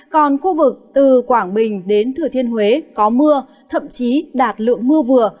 còn khu vực từ quảng bình đến thừa thiên huế có mưa thậm chí đạt lượng mưa vừa